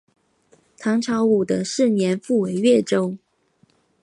唐朝武德四年复为越州。